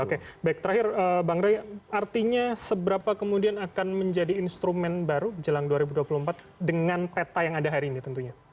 oke baik terakhir bang rey artinya seberapa kemudian akan menjadi instrumen baru jelang dua ribu dua puluh empat dengan peta yang ada hari ini tentunya